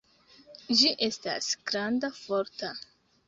Ĝi estas granda, forta.